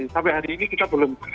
sampai hari ini kita belum